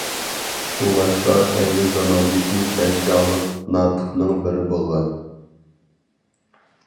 شۇڭلاشقا ئەينى زاماندىكى بەش داڭلىق ناتىقنىڭ بىرى بولغان.